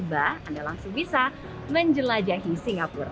sehingga ketika anda tiba anda langsung bisa menjelajahi singapura